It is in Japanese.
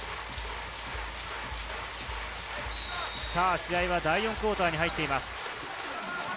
試合は第４クオーターに入っています。